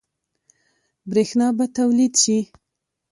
برښنا به تولید شي؟